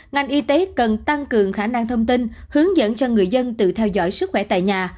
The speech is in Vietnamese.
ngành y tế cần tăng cường khả năng thông tin hướng dẫn cho người dân tự theo dõi sức khỏe tại nhà